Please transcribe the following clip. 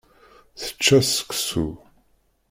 Tečča seksu.